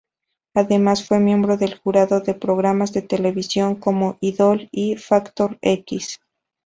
Además fue miembro del jurado de programas de televisión como "Idol" y "Factor X".